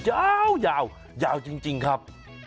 ที่มันยาวยาวจริงครับ